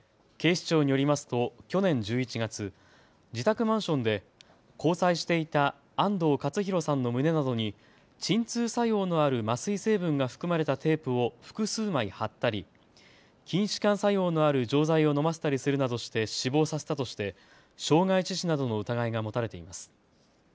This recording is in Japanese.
警視庁によりますと去年１１月、自宅マンションで交際していた安藤勝弘さんの胸などに鎮痛作用のある麻酔成分が含まれたテープを複数枚貼ったり筋しかん作用のある錠剤を飲ませたりするなどして死亡させたとして傷害致死などの疑いが持たれています。